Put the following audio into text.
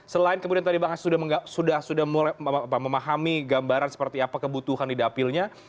selain kemudian tadi bang ansyi sudah memahami gambaran seperti apa kebutuhan di dapil nya